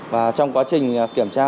và trong quá trình kiểm tra